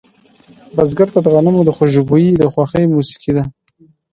بزګر ته د غنمو خوشبويي د خوښې موسیقي ده